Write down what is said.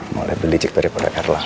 mau liat beli cek daripada erlang